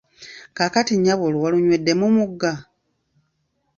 Kaakati nnyabo olwo walunywedde mu mugga?